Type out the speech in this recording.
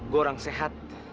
gue orang sehat